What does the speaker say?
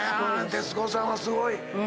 徹子さんはすごい。